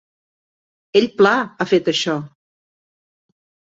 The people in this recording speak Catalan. Ell pla ha fet això.